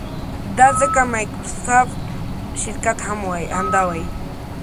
دا ځکه مایکروسافټ شرکت همدا وایي.